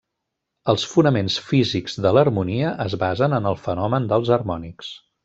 Els fonaments físics de l'harmonia es basen en el fenomen dels harmònics.